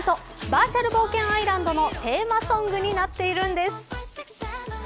バーチャル冒険アイランドのテーマソングになっているんです。